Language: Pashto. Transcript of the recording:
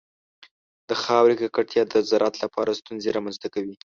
د خاورې ککړتیا د زراعت لپاره ستونزې رامنځته کوي.